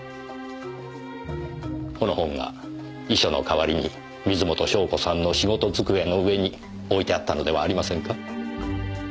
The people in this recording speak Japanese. この本が遺書の代わりに水元湘子さんの仕事机の上に置いてあったのではありませんか？